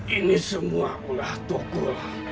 ini semua ulah tokul